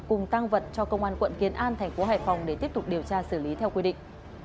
cùng tăng vật cho công an quận kiến an thành phố hải phòng để tiếp tục điều tra xử lý theo quy định